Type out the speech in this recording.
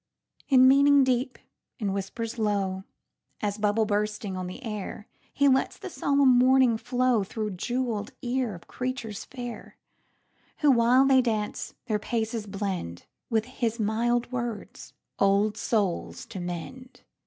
In meaning deep, in whispers lowAs bubble bursting on the air, He lets the solemn warning flowThrough jewell'd ears of creatures fair, Who, while they dance, their paces blendWith his mild words, "Old souls to mend!"